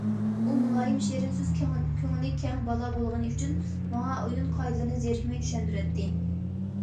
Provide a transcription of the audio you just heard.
ئۇ مۇلايىم، شېرىن سۆز، كۆڭلى كەڭ بالا بولغىنى ئۈچۈن ماڭا ئويۇن قائىدىلىرىنى زېرىكمەي چۈشەندۈرەتتى.